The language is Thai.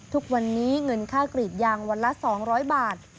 ทุกวันนี้เงินค่ากรีดยางวันละ๒๐๐บาท